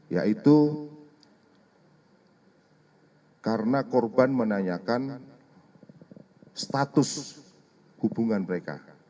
yaitu karena korban menanyakan status hubungan mereka